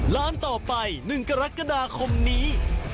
ร้านต่อไป๑กรกฎาคมนี้